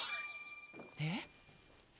えっ？